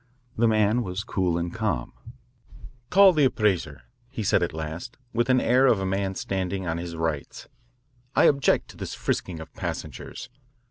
The man was cool and calm. "Call the appraiser, he said at last, with the air of a man standing on his rights. "I object to this frisking of passengers.